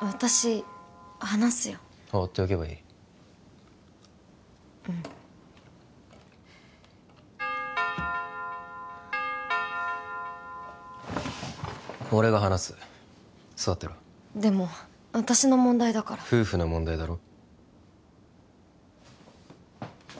私話すよ放っておけばいいうん俺が話す座ってろでも私の問題だから夫婦の問題だろ？